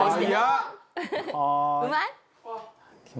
うまい？